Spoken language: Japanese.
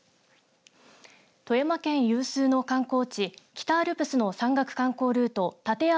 富山県有数の観光地北アルプスの山岳観光ルート立山